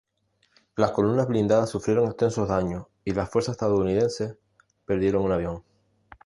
Las columnas blindadas sufrieron extensos daños y las fuerzas estadounidenses perdieron un avión.